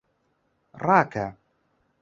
ڕاکە!